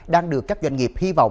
đang được các doanh nghiệp hy vọng